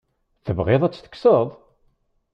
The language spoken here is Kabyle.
Tebɣiḍ ad t-tekkseḍ?